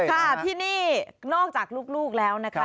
ค่ะที่นี่นอกจากลูกแล้วนะคะ